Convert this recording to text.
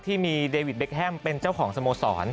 ที่มีเดวิดเบคแฮมเป็นเจ้าของสโมสร